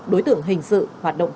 đối tượng hình sự hoạt động